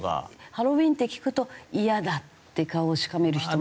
「ハロウィーン」って聞くとイヤだって顔をしかめる人も増えて。